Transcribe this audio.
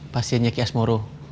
pasiennya kias moro